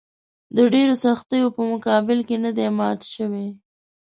د ډېرو سختیو په مقابل کې نه دي مات شوي.